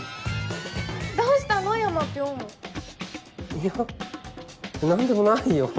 いや何でもないよ。